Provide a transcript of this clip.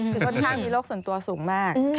คือค่อนข้างมีโรคส่วนตัวสูงมาก